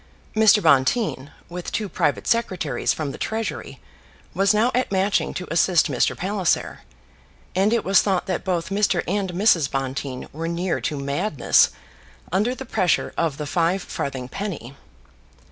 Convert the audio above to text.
Mr. Bonteen, with two private secretaries from the Treasury, was now at Matching to assist Mr. Palliser; and it was thought that both Mr. and Mrs. Bonteen were near to madness under the pressure of the five farthing penny.